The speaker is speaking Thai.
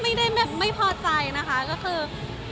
ไม่ได้แบบไม่พอใจนะคะก็คือ